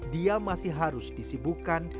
dia masih harus disibukan